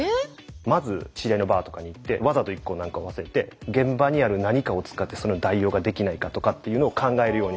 まず知り合いのバーとかに行ってわざと１個何かを忘れて現場にある何かを使ってその代用ができないかとかっていうのを考えるように。